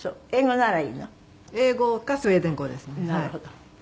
なるほど。